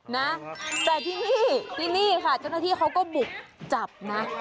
นะแต่ที่นี่ที่นี่ค่ะเจ้าหน้าที่เขาก็บุกจับนะ